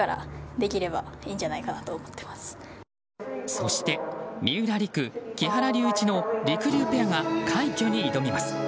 そして三浦璃来、木原龍一のりくりゅうペアが快挙に挑みます。